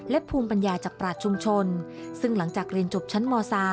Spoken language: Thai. และภูมิปัญญาจากปราชชุมชนซึ่งหลังจากเรียนจบชั้นม๓